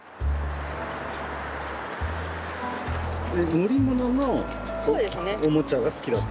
乗り物のおもちゃが好きだった？